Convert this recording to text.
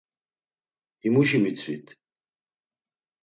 Himuşi mitzvit.